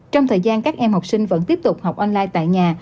trong thời gian các em học sinh vẫn tiếp tục học online tại nhà